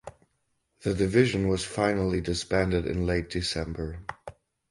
The division was finally disbanded in late December.